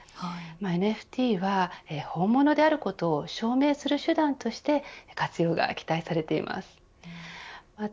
ＮＦＴは本物であることを証明する手段として活用が期待されています。